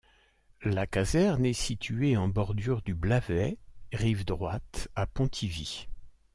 La caserne est située en bordure du Blavet, rive droite, à Pontivy.